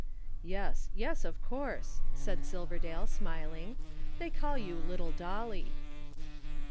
"Yes, yes of course," said Silverdale smiling. "They call you Little Dolly."